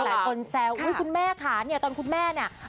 หลายคนแซวคุณแม่ค่ะตอนคุณแม่เนี่ย